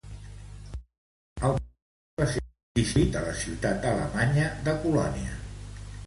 Al principi va ser només distribuït a la ciutat alemanya de Colònia.